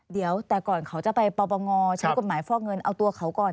เดี๋ยวแต่ก่อนเขาจะไปปปงใช้กฎหมายฟอกเงินเอาตัวเขาก่อน